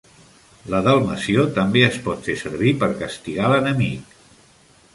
La delmació també es pot fer servir per castigar l'enemic.